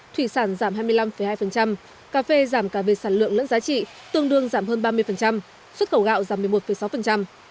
thủy sản giảm hai mươi năm hai cà phê giảm cả về sản lượng lẫn giá trị tương đương giảm hơn ba mươi xuất khẩu gạo giảm một mươi một sáu